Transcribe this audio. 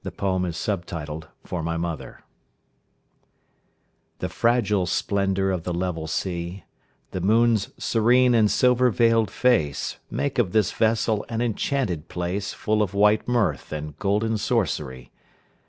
Mid ocean in War time (For My Mother) The fragile splendour of the level sea, The moon's serene and silver veiled face, Make of this vessel an enchanted place Full of white mirth and golden sorcery.